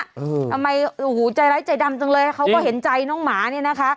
ทำไมโอ้โหใจร้ายใจดำจังเลยเขาก็เห็นใจน้องหมาเนี่ยนะคะ